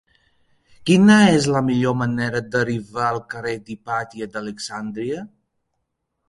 Quina és la millor manera d'arribar al carrer d'Hipàtia d'Alexandria?